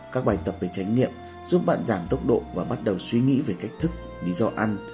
các bài tập về trách nhiệm giúp bạn giảm tốc độ và bắt đầu suy nghĩ về cách thức lý do ăn